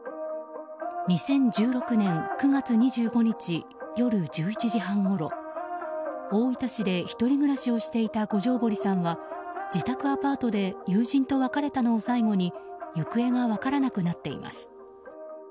２０１６年９月２５日夜１１時半ごろ大分市で１人暮らしをしていた五條堀さんは自宅アパートで友人と別れたのを最後に行方が分からなくなっています。